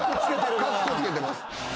カッコつけてるな。